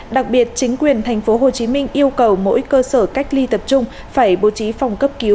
đặc biệt chính quyền tp hcm yêu cầu mỗi cơ sở cách ly tập trung phải bố trí phòng cấp cứu